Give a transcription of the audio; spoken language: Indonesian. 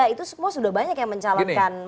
itu semua sudah banyak yang mencalonkan mas ganjar